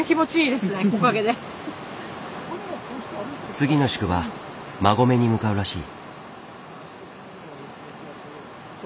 次の宿場馬籠に向かうらしい。